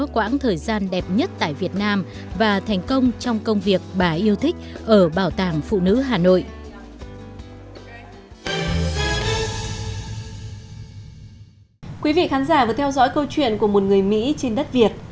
thưa quý vị khán giả vừa theo dõi câu chuyện của một người mỹ trên đất việt